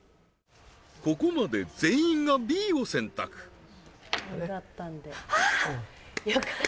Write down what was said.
ここまで全員がＢを選択あっ！